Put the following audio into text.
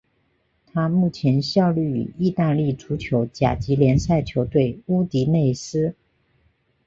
他目前效力于意大利足球甲级联赛球队乌迪内斯。